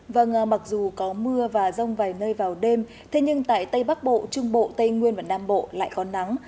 vâng mặc dù có mưa và rông vài nơi vào đêm thế nhưng tại tây bắc bộ trung bộ tây nguyên và nam bộ lại có nắng